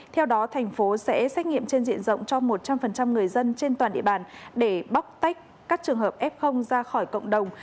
theo đó thành phố sẽ xét nghiệm trên diện rộng cho một trăm linh người dân trên toàn địa bàn để bóc tách các trường hợp f ra khỏi cộng đồng